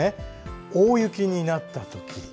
大雪になった時。